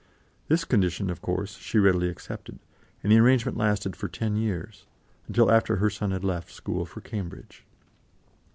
This condition, of course, she readily accepted, and the arrangement lasted for ten years, until after her son had left school for Cambridge.